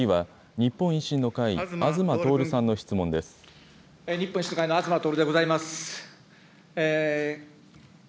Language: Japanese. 日本維新の会の東徹でございます。